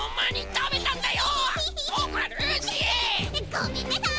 ごめんなさい！